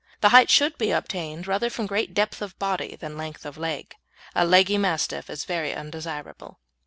The height should be obtained rather from great depth of body than length of leg. A leggy Mastiff is very undesirable.